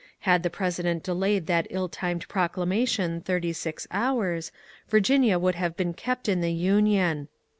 Had the President delayed that ill timed proclamation thirty six hours, Virginia would have been kept in the Union.